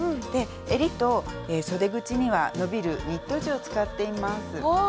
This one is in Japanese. でえりとそで口には伸びるニット地を使っています。